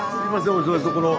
お忙しいところ。